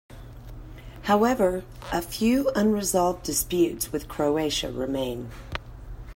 However, a few unresolved disputes with Croatia remain.